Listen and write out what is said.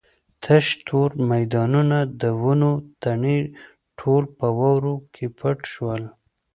تش تور میدانونه د ونو تنې ټول په واورو کې پټ شول.